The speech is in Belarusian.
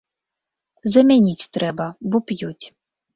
Замяніць трэба, бо п'юць.